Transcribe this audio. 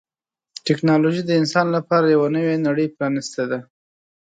ټکنالوجي د انسان لپاره یوه نوې نړۍ پرانستې ده.